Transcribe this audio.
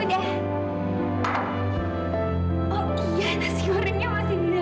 oh iya nasi gorengnya masih di dapur